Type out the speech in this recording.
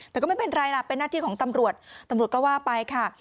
แต่ก็ไม่เป็นไรล่ะเป็นหน้าที่ของตำรวจตำรวจก็ว่าไปค่ะ